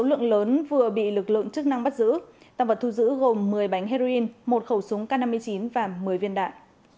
lượng lớn vừa bị lực lượng chức năng bắt giữ tăng vật thu giữ gồm một mươi bánh heroin một khẩu súng k năm mươi chín và một mươi viên đạn